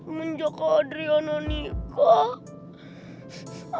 menjak adria nonikah